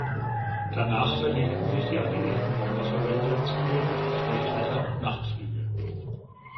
Danach verlegten sich die alliierten Bomberverbände zunehmend auf Schlechtwetter- und Nachtflüge.